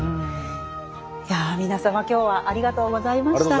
いや皆様今日はありがとうございました。